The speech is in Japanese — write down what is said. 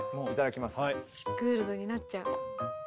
グールドになっちゃう。